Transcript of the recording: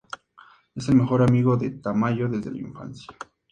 Es el mejor amigo de Tamayo desde la infancia.